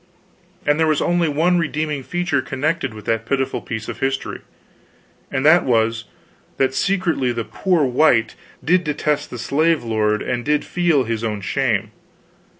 And there was only one redeeming feature connected with that pitiful piece of history; and that was, that secretly the "poor white" did detest the slave lord, and did feel his own shame.